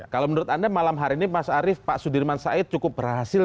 kalau menurut anda malam hari ini mas arief pak sudirman said cukup berhasil